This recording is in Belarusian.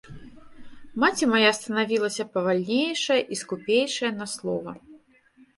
Маці мая станавілася павальнейшая і скупейшая на слова.